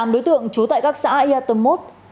hai mươi tám đối tượng trú tại các xã yatomot